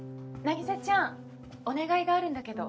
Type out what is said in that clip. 凪沙ちゃんお願いがあるんだけど。